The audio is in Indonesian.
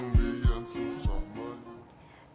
gata review saldonya dong